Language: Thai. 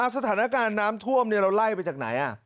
สถานการณ์น้ำท่วมเราไล่ไปจากไหน